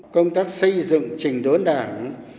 công tác xây dựng trình đốn đảng